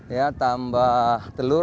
ya tambah telur